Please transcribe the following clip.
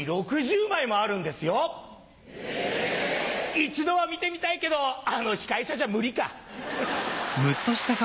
一度は見てみたいけどあの司会者じゃ無理か！